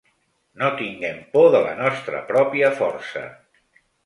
No tinguem por de la nostra pròpia força.